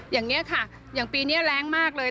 อย่างนี้ค่ะอย่างปีนี้แรงมากเลย